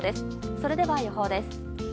それでは、予報です。